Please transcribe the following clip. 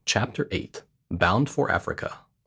CHAPTER EIGHT. BOUND FOR AFRICA.